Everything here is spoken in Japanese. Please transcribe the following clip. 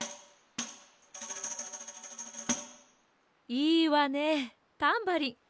いいわねタンバリン。